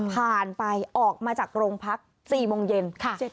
ภาคไปออกมาจากโรงพักที่สี่โมงเย็น